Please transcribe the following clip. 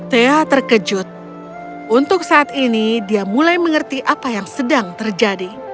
thea terkejut untuk saat ini dia mulai mengerti apa yang sedang terjadi